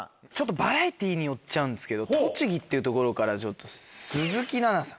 バラエティーに寄っちゃうんですけど栃木っていうところから。